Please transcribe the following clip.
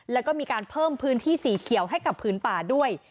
แล้วก็มีการเพิ่มพื้นที่สีเขียวให้กับพื้นป่าด้วย